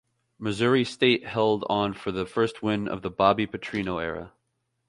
Missouri State held on for the first win of the Bobby Petrino era.